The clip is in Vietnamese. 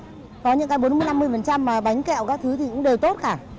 có những cái bốn mươi năm mươi mà bánh kẹo các thứ thì cũng đều tốt cả